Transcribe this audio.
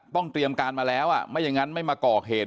เตรียมการมาแล้วไม่อย่างนั้นไม่มาก่อเหตุ